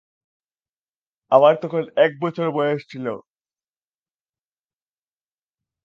আমার তখন একবছর বয়স ছিল।